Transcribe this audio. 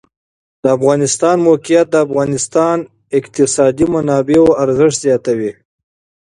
د افغانستان د موقعیت د افغانستان د اقتصادي منابعو ارزښت زیاتوي.